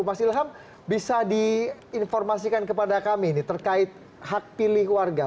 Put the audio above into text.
mas ilham bisa diinformasikan kepada kami ini terkait hak pilih warga